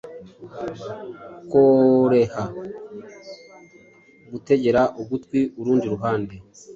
Koreha gutegera ugutwi Urundi ruhande